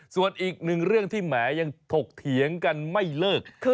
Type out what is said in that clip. ส่วนอีกหนึ่งเรื่องที่แหมยังถกเถียงกันไม่เลิก